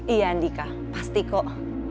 iya andika pasti kok